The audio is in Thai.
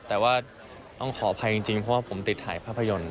แต่ว่าต้องขออภัยจริงเพราะว่าผมติดถ่ายภาพยนตร์